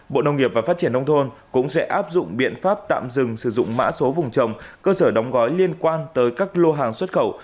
bộ nông nghiệp và phát triển nông thôn cũng sẽ áp dụng biện pháp tạm dừng sử dụng mã số vùng trồng cơ sở đóng gói liên quan tới các lô hàng xuất khẩu